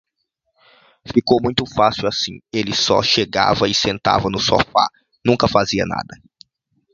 Ficou muito fácil assim, ele só chegava e sentava no sofá, nunca fazia nada.